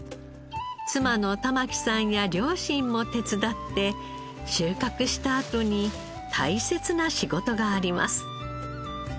妻の環さんや両親も手伝って収穫したあとに大切な仕事があります。